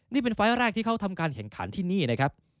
นี่เป็นไฟล์แรกที่เขาทำการแข่งขันที่นี่นะครับ